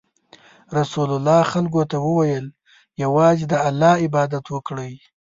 رسول الله خلکو ته وویل: یوازې د الله عبادت وکړئ.